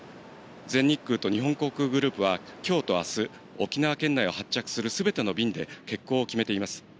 全日空と日本航空グループは今日と明日、沖縄県内を発着する全ての便で欠航を決めています。